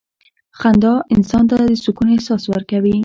• خندا انسان ته د سکون احساس ورکوي.